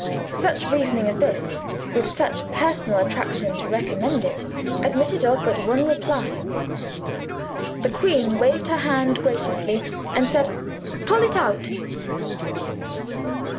Such reasoning as this, with such personal attractions to recommend it, admitted of but one reply. The queen waved her hand graciously, and said, "Pull it out."